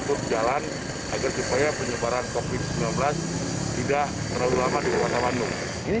untuk jalan agar supaya penyebaran covid sembilan belas tidak terlalu lama di kota bandung